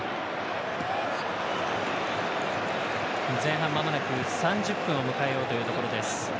前半まもなく３０分を迎えようというところです。